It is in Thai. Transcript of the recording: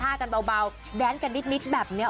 กันเบาแดนกันนิดแบบนี้